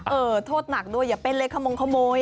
เออโทษหนักด้วยอย่าเป็นตัวเล็กประโยชน์ขโมย